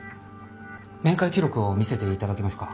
面会記録を見せて頂けますか？